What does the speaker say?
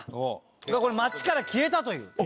これ街から消えたという。